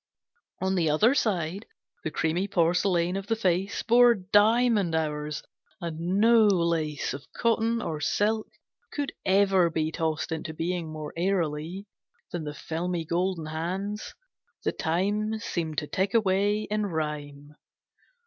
On the other side, The creamy porcelain of the face Bore diamond hours, and no lace Of cotton or silk could ever be Tossed into being more airily Than the filmy golden hands; the time Seemed to tick away in rhyme.